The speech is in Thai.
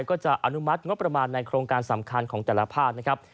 คุณพ่อจะอนุมัติงบประมาณในโครงการสำคัญของแต่ละภาพ